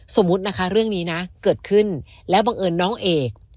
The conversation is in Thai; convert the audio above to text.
สมมุตินะคะเรื่องนี้นะเกิดขึ้นแล้วบังเอิญน้องเอก